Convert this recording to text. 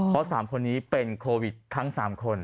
เพราะ๓คนนี้เป็นโควิดทั้ง๓คน